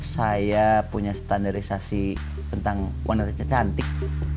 saya punya standarisasi tentang warna rata cantik